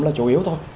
nó chủ yếu thôi